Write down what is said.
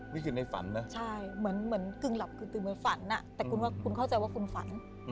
นี่คือในฝันนะใช่เหมือนกึ่งหลับกึ่งเหมือนฝันแต่คุณเข้าใจว่าคุณฝัน